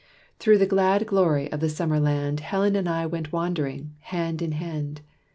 Through the glad glory of the summer land Helen and I went wandering, hand in hand.